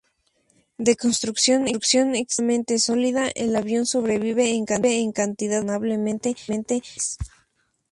De construcción extremadamente sólida, el avión sobrevive en cantidades razonablemente grandes.